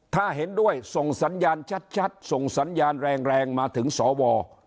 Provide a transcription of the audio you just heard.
ถ้าเห็นด้วยส่งสัญญาณชัดส่งสัญญาณแรงมาถึงสว